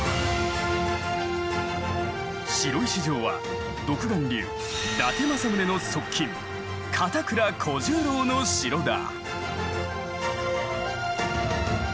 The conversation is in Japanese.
白石城は独眼竜・伊達政宗の側近片倉小十郎の城だ。